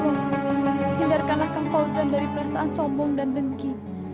ya allah hindarkanlah kang fauzan dari perasaan sombong dan dengki